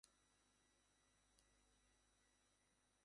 আমি অত্যন্ত দুর্বল হইয়া পড়িব এবং সম্ভবত আমার নামও ভুলিয়া যাইব।